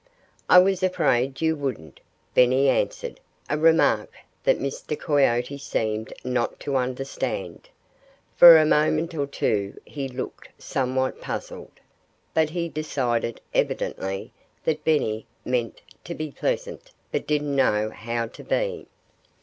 "I was afraid you wouldn't," Benny answered a remark that Mr. Coyote seemed not to understand. For a moment or two he looked somewhat puzzled. But he decided, evidently, that Benny meant to be pleasant, but didn't know how to be.